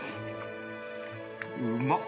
うまっ。